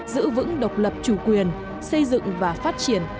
giữ vững độc lập chủ quyền xây dựng và phát triển